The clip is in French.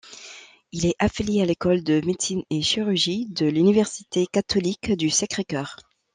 Il est affilié à l'École de Médecine et Chirurgie de l'Université Catholique du Sacré-Cœur.